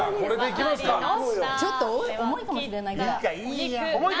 ちょっと重いかもしれない。